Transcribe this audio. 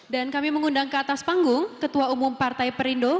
dan kami mengundang ke atas panggung ketua umum partai perindu